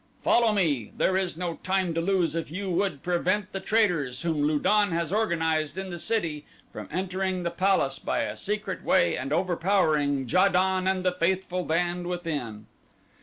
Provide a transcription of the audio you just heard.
Follow me. There is no time to lose if you would prevent the traitors whom Lu don has organized in the city from entering the palace by a secret way and overpowering Ja don and the faithful band within."